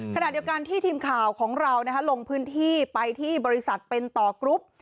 ขณะเดียวกันที่ทีมข่าวของเราลงพื้นที่ไปที่บริษัทเป็นต่อกรุ๊ป